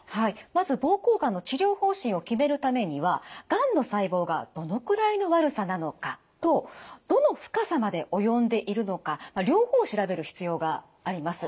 まず膀胱がんの治療方針を決めるためにはがんの細胞がどのくらいの悪さなのかとどの深さまで及んでいるのか両方を調べる必要があります。